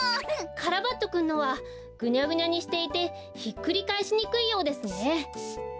カラバッチョくんのはぐにゃぐにゃにしていてひっくりかえしにくいようですね。